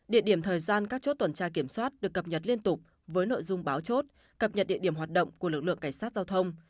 địa điểm thời gian các chốt tuần tra kiểm soát được cập nhật liên tục với nội dung báo chốt cập nhật địa điểm hoạt động của lực lượng cảnh sát giao thông